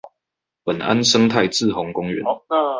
本安生態滯洪公園